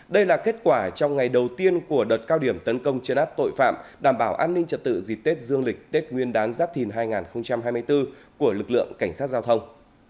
đây là kết quả trong ngày đầu tiên của đợt cao điểm tấn công chấn áp tội phạm đảm bảo an ninh trật tự dịp tết dương lịch tết nguyên đán giáp thìn hai nghìn hai mươi bốn của lực lượng cảnh sát giao thông